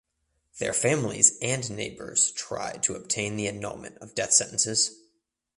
Their families and neighbors try to obtain the annulment of death sentences.